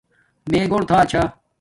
میے گھور تھا چھا